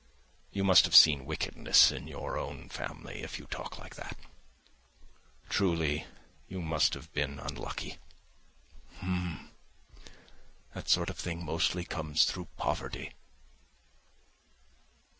You must have seen wickedness in your own family, if you talk like that. Truly, you must have been unlucky. H'm! ... that sort of thing mostly comes about through poverty."